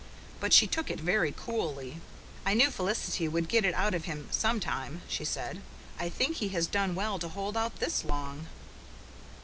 But she took it very coolly. "I knew Felicity would get it out of him sometime," she said. "I think he has done well to hold out this long."